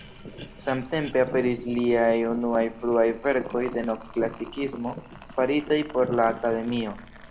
Samtempe aperis liaj unuaj fruaj verkoj de Novklasikismo faritaj por la Akademio.